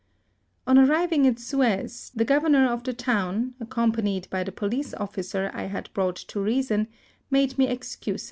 On arriving at Suez, the governor of the town, accompanied by the police officer I had brought to reason, made me excuses.